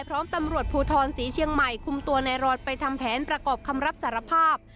พร้อมตำรวจภูทรศรีเชียงใหม่คุมตัวในรอดไปทำแผนประกอบคำรับสารภาพ